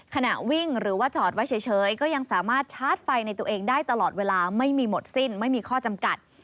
ขณะวิ่งหรือว่าจอดไว้เฉยก็ยังสามารถชาร์จไฟในตัวเองได้ตลอดเวลาไม่มีหมดสิ้นไม่มีข้อจำกัด